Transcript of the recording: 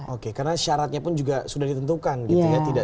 oke karena syaratnya pun juga sudah ditentukan gitu ya